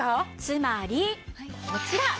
つまりこちら！